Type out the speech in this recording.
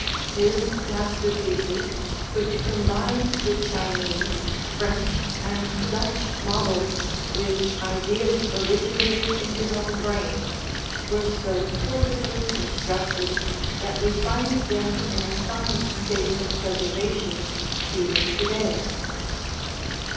His masterpieces, which combined the Chinese, French, and Dutch models with ideas originated in his own brain, were so perfectly constructed that we find them in a fine state of preservation even to day.